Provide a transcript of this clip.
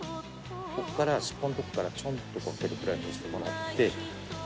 ここから尻尾のとこからちょんとこう出るくらいにしてもらって。